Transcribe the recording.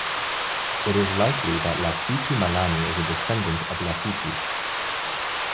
It is likely that Laufitu Malani is a descendant of Laufitu.